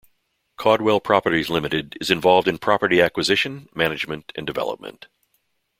Caudwell Properties Limited is involved in property acquisition, management and development.